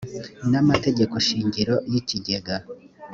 n amategeko shingiro y ikigega